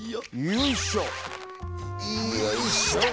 よいしょ！